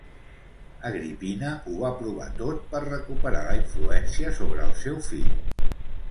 Agripina ho va provar tot per recuperar la influència sobre el seu fill.